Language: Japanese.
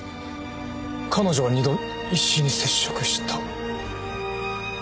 彼女は２度石井に接触した。